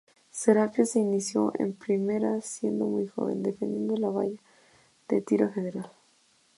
Serapio se inició en primera siendo muy joven, defendiendo la valla de Tiro Federal.